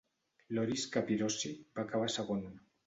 Loris Capirossi va acabar segon.